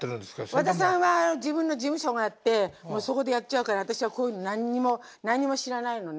和田さんは自分の事務所があってそこでやっちゃうから私はこういうの何にも知らないのね。